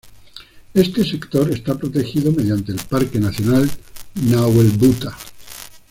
Este sector está protegido mediante el Parque Nacional Nahuelbuta.